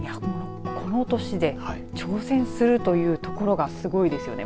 この年で挑戦するというところがすごいですね。